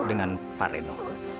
dengan pak reno